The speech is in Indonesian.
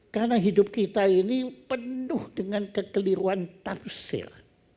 karena hidup kita ini penuh dengan kekeliruan tafsir